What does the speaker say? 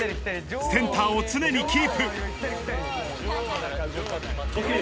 センターを常にキープ。